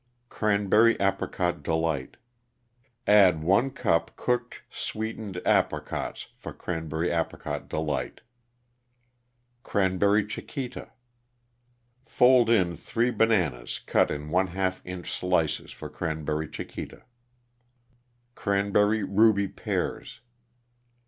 =Cranberry Apricot Delight.= Add 1 cup cooked sweetened apricots for Cranberry Apricot Delight. =Cranberry Chiquita.= Fold in 3 bananas cut in ┬Į inch slices for Cranberry Chiquita. =Cranberry Ruby Pears.